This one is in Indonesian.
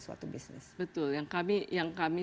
suatu bisnis betul yang kami